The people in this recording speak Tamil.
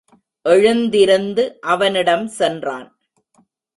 எழுந்திருந்து அவனிடம் சென்றான்.